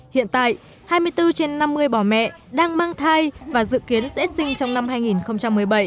hiện tại hai mươi bốn trên năm mươi bà mẹ đang mang thai và dự kiến sẽ sinh trong năm hai nghìn một mươi bảy